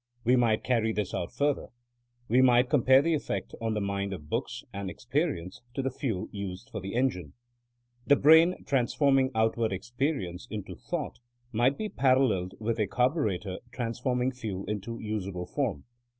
We might carry this out further. We might compare the effect on the mind of books and experience to the fuel used for the engine. The brain, transforming outward experience into thought, might be paralleled with a carburetor transforming fuel into usable form.